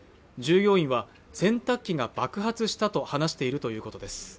従業員は洗濯機が爆発したと話しているということです